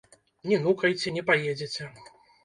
Не нукайце, не паедзеце.